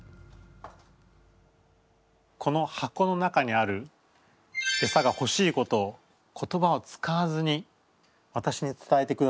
この箱の中にあるエサがほしいことを言葉を使わずにわたしに伝えてください。